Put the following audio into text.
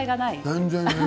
全然。